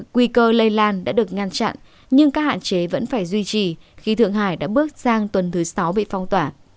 nguy cơ lây lan đã được ngăn chặn nhưng các hạn chế vẫn phải duy trì khi thượng hải đã bước sang tuần thứ sáu bị phong tỏa